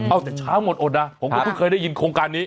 เอาแต่ช้างหมดอดนะผมก็เพิ่งเคยได้ยินโครงการนี้